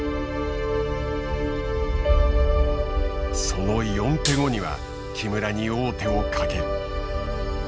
その４手後には木村に王手をかける。